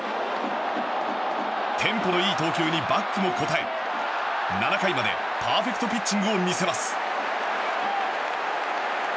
テンポのいい投球にバックも応え７回までパーフェクトのピッチングを見せます。